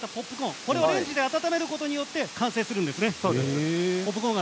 これをレンジで温めることで完成するんですね。